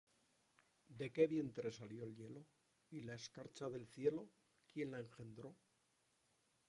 ¿De qué vientre salió el hielo? Y la escarcha del cielo, ¿quién la engendró?